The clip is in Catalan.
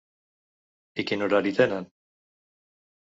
I quin horari tenen?